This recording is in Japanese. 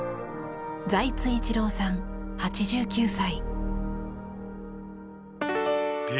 財津一郎さん、８９歳。